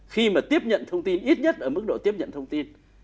khi mà tiếp nhận thông tin ít nhất ở mức độ tiếp nhận thông tin